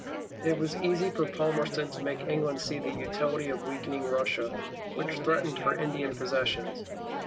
It was easy for Palmerston to make England see the utility of weakening Russia, which threatened her Indian possessions.